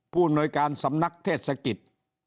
ผู้หน่วยการสำนักเทศกิจ